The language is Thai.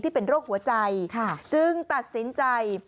เป็นโรคหัวใจจึงตัดสินใจ